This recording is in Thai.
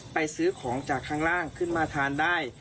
ซื้อของจากข้างล่างขึ้นมาทานได้